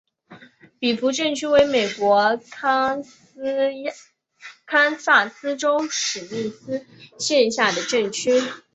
比弗镇区为美国堪萨斯州史密斯县辖下的镇区。